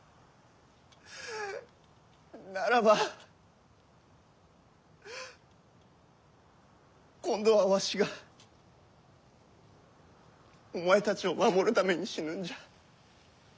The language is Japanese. ならば今度はわしがお前たちを守るために死ぬんじゃ。